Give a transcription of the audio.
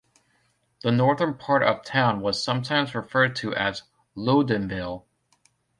The northern part of town was sometimes referred to as Lowdenville.